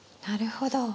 なるほど。